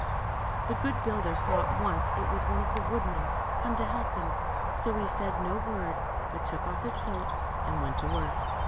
The good builder saw at once it was one of the wood men, come to help him, so he said no word, but took off his coat, and went to work.